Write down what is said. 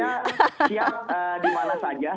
saya siap dimana saja